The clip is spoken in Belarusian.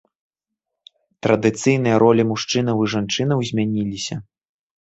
Традыцыйныя ролі мужчынаў і жанчынаў змяніліся.